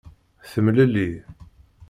Temlelli.